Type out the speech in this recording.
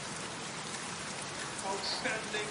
زده کوونکو ته کوم واکسینونه ورکول کیږي؟